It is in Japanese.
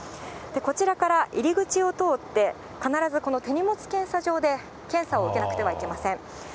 こちらから入り口を通って、必ずこの手荷物検査場で検査を受けなくてはいけません。